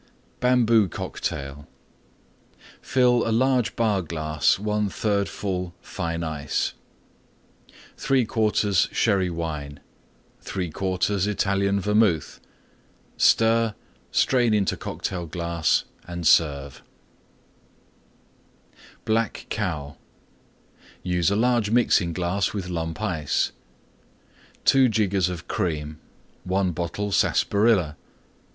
BAMBOO COCKTAIL Fill large Bar glass 1/3 full Fine Ice. 3/4 Sherry Wine. 3/4 Italian Vermouth. Stir; strain into Cocktail glass. Serve. BLACK COW Use a large Mixing glass with Lump Ice. 2 jiggers of Cream. 1 bottle Sarsaparilla.